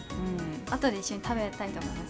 あとで一緒に食べたいと思います。